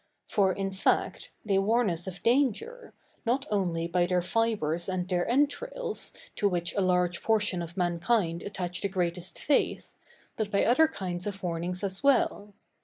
For, in fact, they warn us of danger, not only by their fibres and their entrails, to which a large portion of mankind attach the greatest faith, but by other kinds of warnings as well.